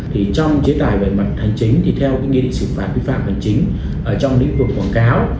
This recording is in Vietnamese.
trong chế tài về mặt hành chính thì theo nghị định xử phạt quy phạm hành chính trong lĩnh vực quảng cáo